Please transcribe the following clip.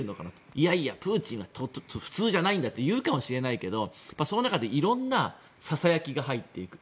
いやいや、プーチンは普通じゃないんだと言うかもしれないけどその中で色んなささやきが入っていく。